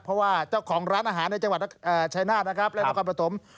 เพราะว่าเจ้าของร้านอาหารในจังหวัดชายนาฏนะครับและนครปฐม